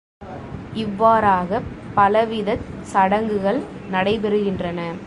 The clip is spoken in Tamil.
இவ்வாறாகப் பலவிதச் சடங்குகள் நடைபெறுகின்றன.